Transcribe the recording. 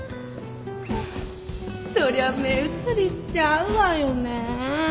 そりゃ目移りしちゃうわよね。